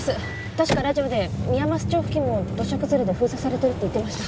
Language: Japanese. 確かラジオで宮升町付近も土砂崩れで封鎖されてるって言ってました